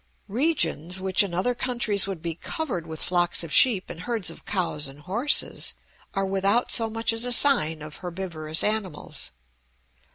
Regions, which in other countries would be covered with flocks of sheep and herds of cows and horses, are without so much as a sign of herbivorous animals.